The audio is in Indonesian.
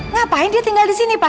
ngapain dia tinggal disini pak